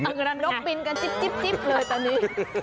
กำลังนกบินกันจิ๊บเลยตอนนี้